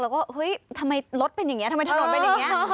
แล้วก็เฮ้ยทำไมรถเป็นอย่างนี้ทำไมถนนเป็นอย่างนี้